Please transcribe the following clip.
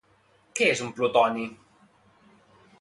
Què és un Plutoni?